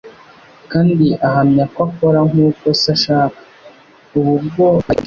kandi ahamya ko akora nk'uko Se ashaka. Ubu bwo baregaga abigishwa be,